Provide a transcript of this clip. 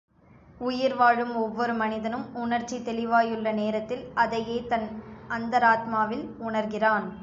உயிர் வாழும் ஒவ்வொரு மனிதனும், உணர்ச்சி தெளிவாயுள்ள நேரத்தில், அதையே தன் அந்தராத்மாவில் உணர்கிறான்.